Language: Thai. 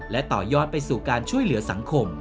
และต่อยอดไปสู่การช่วยเหลือสังคม